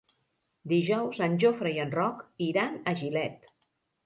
Dijous en Jofre i en Roc iran a Gilet.